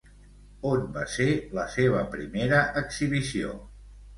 On va ser la seva primera exhibició?